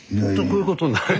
こういうことになる。